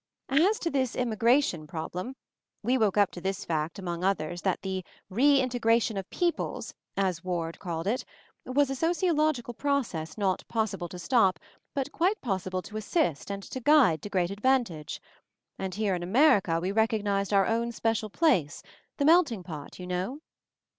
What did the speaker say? As to this 'Immigra tion Problem' — we woke up to this fact among others, that the 'reintegration of peo ples' as Ward called it, was a sociological process not possible to stop, but quite pos sible to assist and to guide to great advan tage. And here in America we recognized MOVING THE MOUNTAIN 51 our own special place — "the melting pot/ you know?"